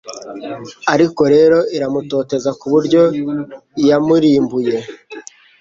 Ariko rero iramutoteza ku buryo yamurimbuye